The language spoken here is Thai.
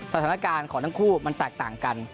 สถานการณ์ของทั้งคู่มันแตกต่างกัน